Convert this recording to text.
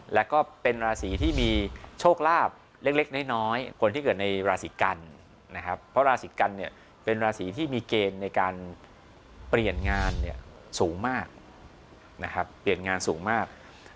และก็เป็นราศีที่มีโชคลาบเล็กน้อยคนที่เกิดในราศีกรรณ์เพราะราศีกรรณ์เป็นราศีที่มีเกณฑ์ในการเปลี่ยนงานสูงมาก